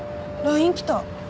ＬＩＮＥきた。